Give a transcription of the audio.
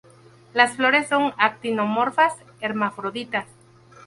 Las flores son actinomorfas, hermafroditas.